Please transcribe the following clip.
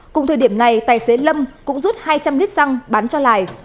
cùng thời điểm này tài xế lâm cũng rút hai trăm linh lít xăng bán cho lài